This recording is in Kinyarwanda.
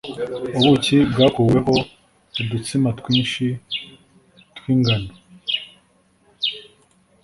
Ubuki bwakuweho udutsima twinshi tw ingano